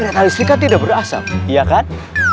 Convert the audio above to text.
rouge tiga berdasar iya kan